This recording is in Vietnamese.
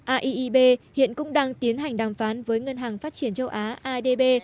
aib hiện cũng đang tiến hành đàm phán với ngân hàng phát triển châu á adb